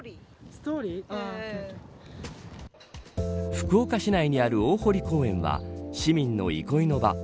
福岡市内にある大濠公園は市民の憩いの場。